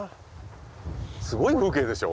すごい風景でしょ？